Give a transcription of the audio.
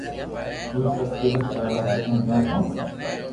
اووي سب تيرٿ ڪروا گيو تو